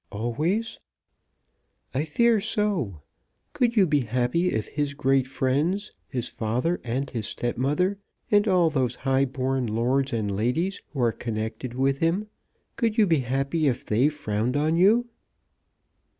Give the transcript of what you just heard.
"Always?" "I fear so. Could you be happy if his great friends, his father, and his stepmother, and all those high born lords and ladies who are connected with him, could you be happy if they frowned on you?"